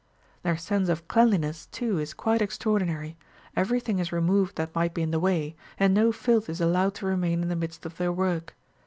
Their sense of cleanliness, too, is quite extraordinary ; every thing is removed that might be in the way, and no filth is allowed to remain in the midst of their work.